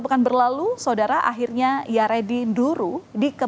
makhluk bers algum houder digieahkan atau menjauhkan